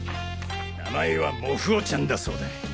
名前は「もふおちゃん」だそうだ。